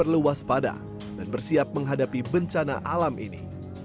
sempada dan bersiap menghadapi bencana alam ini